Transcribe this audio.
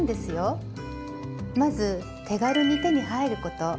まず手軽に手に入ること。